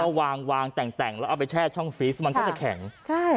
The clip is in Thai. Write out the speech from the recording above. ถ้าวางวางแต่งแต่งแล้วเอาไปแช่ช่องฟีสมันก็จะแข็งใช่